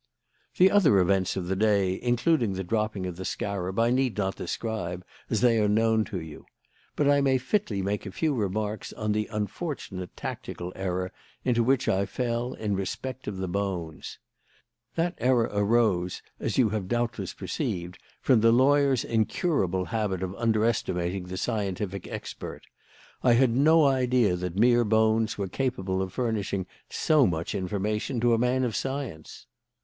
"The other events of that day, including the dropping of the scarab, I need not describe, as they are known to you. But I may fitly make a few remarks on the unfortunate tactical error into which I fell in respect of the bones. That error arose, as you have doubtless perceived, from the lawyer's incurable habit of underestimating the scientific expert. I had no idea that mere bones were capable of furnishing so much information to a man of science.